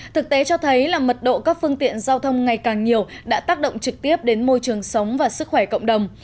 thực tế cho thấy là mật độ các phương tiện giao thông ngày càng nhiều đã tác động trực tiếp đến môi trường sống và sức khỏe cộng đồng